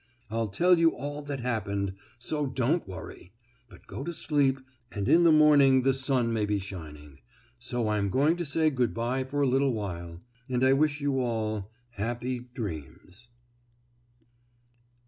I'll tell you all that happened, so don't worry, but go to sleep and in the morning the sun may be shining. So I'm going to say good by for a little while, and I wish you all happy dreams.